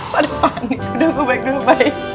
pada panik udah gue baik dulu bye